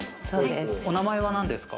お名前は何ですか？